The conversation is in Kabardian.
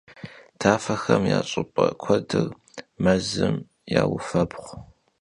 Tafexem ya ş'ıp'e kuedır mezım yaufebğu.